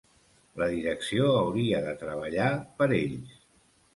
La direcció hauria de treballar per ells.